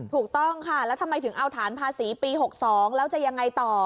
ถูกต้องค่ะแล้วทำไมถึงเอาฐานภาษีปี๖๒แล้วจะยังไงต่อ